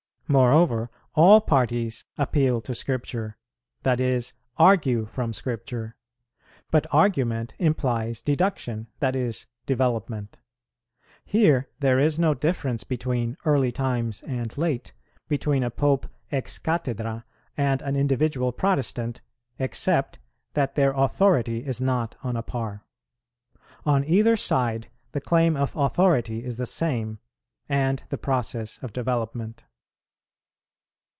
Moreover, all parties appeal to Scripture, that is, argue from Scripture; but argument implies deduction, that is, development. Here there is no difference between early times and late, between a Pope ex cathedrâ and an individual Protestant, except that their authority is not on a par. On either side the claim of authority is the same, and the process of development.